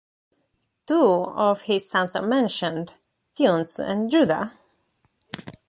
Two of his sons are mentioned, Funes and Judah.